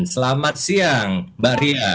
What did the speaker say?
selamat siang mbak ria